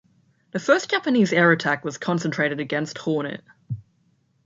The first Japanese air attack was concentrated against "Hornet".